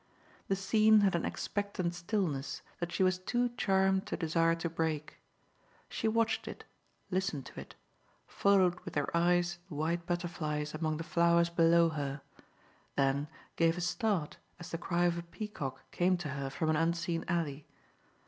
The scene had an expectant stillness that she was too charmed to desire to break; she watched it, listened to it, followed with her eyes the white butterflies among the flowers below her, then gave a start as the cry of a peacock came to her from an unseen alley.